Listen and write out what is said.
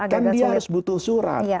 kan dia harus butuh surat